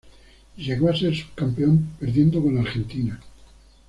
Llegó a ser subcampeón perdiendo con Argentina.